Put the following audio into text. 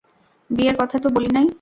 বিয়ের কথা তো বলি নাই?